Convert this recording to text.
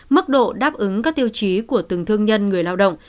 mức độ đáp ứng các tiêu chí của từng thương nhân người lao động